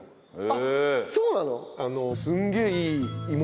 あっそうなの？